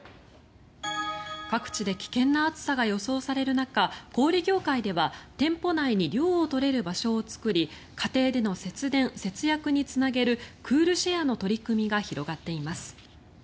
各地で危険な暑さが予想される中小売業界では店舗内に涼を取れる場所を作り家庭での節電・節約につなげるクールシェアの取り組みが広がっています。